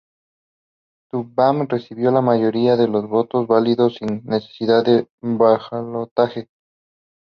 Tuđman recibió la mayoría de los votos válidos sin necesidad del balotaje.